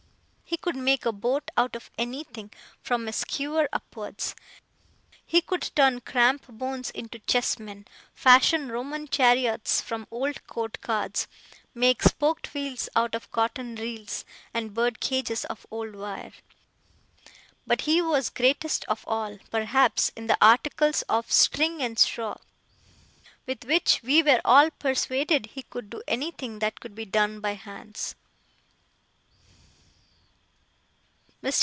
He could make a boat out of anything, from a skewer upwards. He could turn cramp bones into chessmen; fashion Roman chariots from old court cards; make spoked wheels out of cotton reels, and bird cages of old wire. But he was greatest of all, perhaps, in the articles of string and straw; with which we were all persuaded he could do anything that could be done by hands.